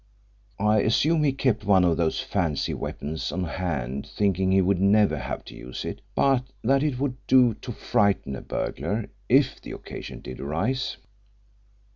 I assume he kept one of those fancy weapons on hand thinking he would never have to use it, but that it would do to frighten a burglar if the occasion did arise."